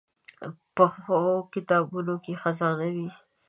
پخو کتابونو کې خزانه وي